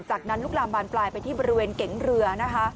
จากนั้นลุกลามบานปลายไปที่บริเวณเก๋งเรือนะคะ